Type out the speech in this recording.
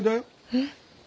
えっ？